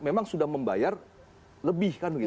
memang sudah membayar lebih kan begitu